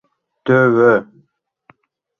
— Тӧвӧ!